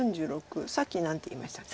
さっき何て言いましたっけ？